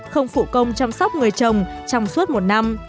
không phụ công chăm sóc người chồng trong suốt một năm